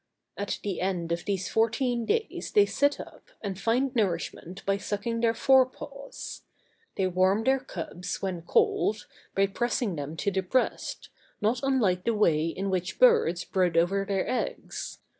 At the end of these fourteen days they sit up, and find nourishment by sucking their fore paws. They warm their cubs, when cold, by pressing them to the breast, not unlike the way in which birds brood over their eggs.